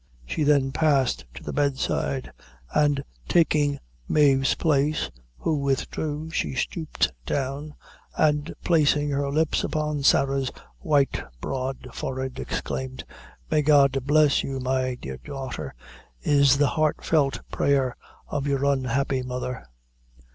She then passed to the bed side, and taking Mave's place, who withdrew, she stooped down, and placing her lips upon Sarah's white broad forehead, exclaimed "May God bless you, my dear daughter, is the heart felt prayer of your unhappy mother!"